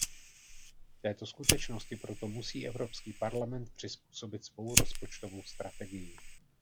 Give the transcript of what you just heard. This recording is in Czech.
Této skutečnosti proto musí Evropský parlament přizpůsobit svou rozpočtovou strategii.